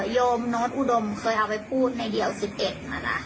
โยมโน้ตอุดมเคยเอาไปพูดในเดี่ยว๑๑นะคะ